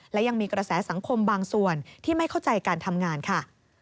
และยังมีกระแสสังคมบางส่วนที่ไม่เข้าใจการทำงานค่ะ